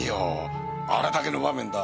あれだけの場面だ。